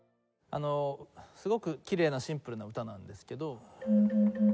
あのすごくきれいなシンプルな歌なんですけど。